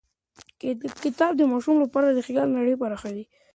کتاب د ماشومانو لپاره د خیال نړۍ پراخوي.